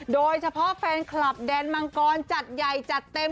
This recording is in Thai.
โดยเฉพาะแฟนคลับแดนมังกรจัดใหญ่จัดเต็ม